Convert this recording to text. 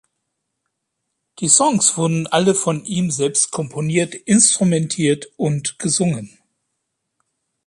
Die Songs wurden alle von ihm selbst komponiert, instrumentiert und gesungen.